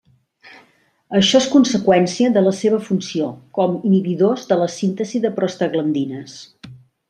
Això és conseqüència de la seva funció com inhibidors de la síntesi de prostaglandines.